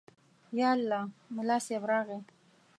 _يالله، ملا صيب راغی.